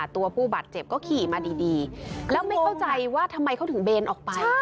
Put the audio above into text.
ตัวผู้บาดเจ็บก็ขี่มาดีแล้วไม่เข้าใจว่าทำไมเขาถึงเบนออกไป